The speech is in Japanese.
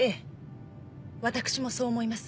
私もそう思います。